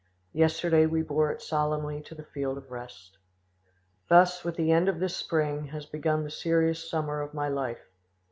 Yesterday we bore it solemnly to the field of rest. "Thus with the end of this spring has begun the serious summer of my life.